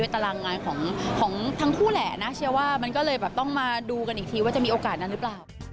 ตารางงานของทั้งคู่แหละนะเชียร์ว่ามันก็เลยแบบต้องมาดูกันอีกทีว่าจะมีโอกาสนั้นหรือเปล่า